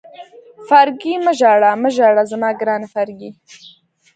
فرګي مه ژاړه، مه ژاړه زما ګرانې فرګي.